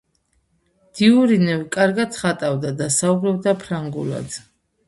დიურინევ კარგად ხატავდა და საუბრობდა ფრანგულად.